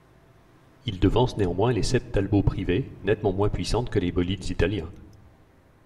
Il devance néanmoins les sept Talbot privées, nettement moins puissantes que les bolides italiens.